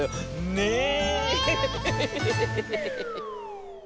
ねえ。